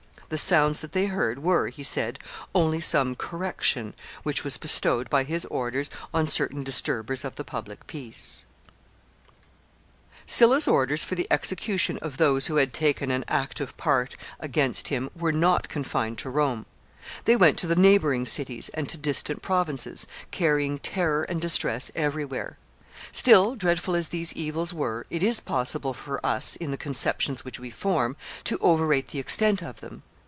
The sounds that they heard were, he said, only some correction which was bestowed by his orders on certain disturbers of the public peace. [Sidenote: Executions.] [Sidenote: Extent of Sylla's proscriptions.] [Sidenote: Man's nature.] Sylla's orders for the execution of those who had taken an active part against him were not confined to Rome. They went to the neighboring cities and to distant provinces, carrying terror and distress every where. Still, dreadful as these evils were, it is possible for us, in the conceptions which we form, to overrate the extent of them.